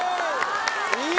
いい！